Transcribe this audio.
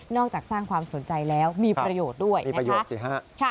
นอกจากสร้างความสนใจแล้วมีประโยชน์ด้วยนะคะ